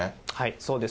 そうです。